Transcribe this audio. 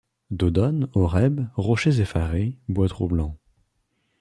Dodone, Horeb, rochers effarés, bois troublants